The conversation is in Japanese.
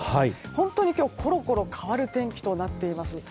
本当に今日、コロコロ変わる天気となっています。